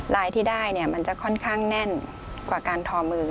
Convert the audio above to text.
รายได้ที่ได้มันจะค่อนข้างแน่นกว่าการทอมือ